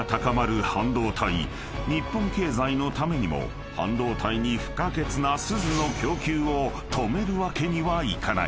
［日本経済のためにも半導体に不可欠な錫の供給を止めるわけにはいかない］